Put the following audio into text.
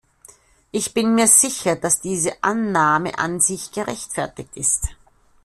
Ich bin mir sicher, dass diese Annahme an sich gerechtfertigt ist.